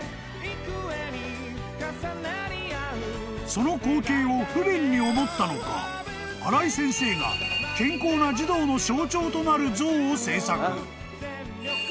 ［その光景をふびんに思ったのか荒井先生が健康な児童の象徴となる像を制作］